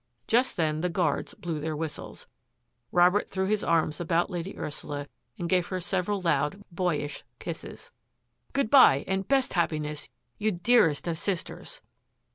Just then the guards blew their whistles. Rob ert threw his arms about Lady Ursula and gave her several loud, boyish kisses. " Good bye, and best happiness, you dearest of sisters